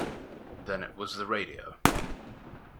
Then it was the radio.